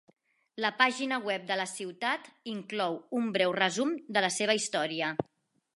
La pàgina web de la ciutat inclou un breu resum de la seva història.